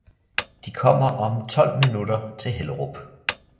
De kommer om tolv minutter til Hellerup